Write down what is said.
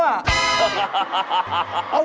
เอาเหรอ